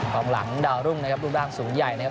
ของหลังดาวรุ่งนะครับรูปร่างสูงใหญ่นะครับ